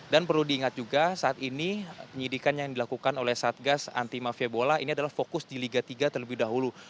perlu diingat juga saat ini penyidikan yang dilakukan oleh satgas anti mafia bola ini adalah fokus di liga tiga terlebih dahulu